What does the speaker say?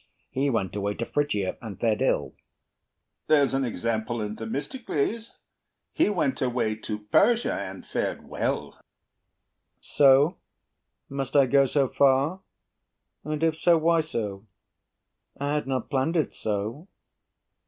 He went away to Phrygia, and fared ill. HAMILTON There's an example in Themistocles: He went away to Persia, and fared well. BURR So? Must I go so far? And if so, why so? I had not planned it so.